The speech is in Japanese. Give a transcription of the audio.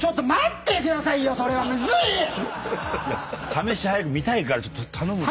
サ飯早く見たいからちょっと頼むって。